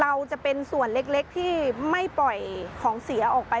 จะเป็นส่วนเล็กที่ไม่ปล่อยของเสียออกไป